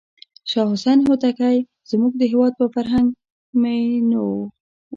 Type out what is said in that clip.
شاه حسین هوتکی زموږ د هېواد په فرهنګ مینو و.